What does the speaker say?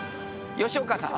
吉岡さん？